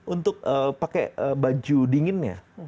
untuk pake baju dinginnya